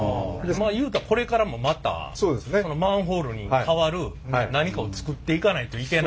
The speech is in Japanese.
まあ言うたらこれからもまたそのマンホールに代わる何かを作っていかないといけないと。